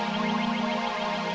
gue yang kena